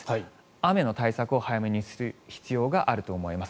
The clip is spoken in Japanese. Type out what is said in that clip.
雨の対策を早めにする必要があると思います。